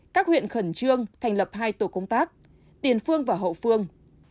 các huyện khẩn trương thành lập hai tổ công tác tiền phương và hậu phương